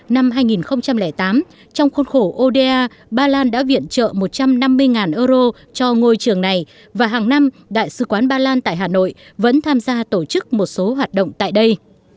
năm hai nghìn tám trong khuôn khổ oda ba lan đã viện trợ một trăm năm mươi euro cho ngôi trường này và hàng năm đại sứ quán ba lan tại hà nội vẫn tham gia tổ chức một số hoạt động tại đây